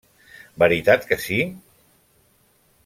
-Veritat que sí?